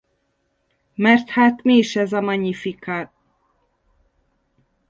Mert hát mi is ez a Magnificat?